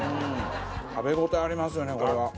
食べ応えありますよね